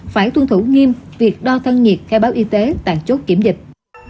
phải tuân thủ nghiêm việc đo thân nhiệt khai báo y tế tại chốt kiểm dịch